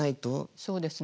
そうですね。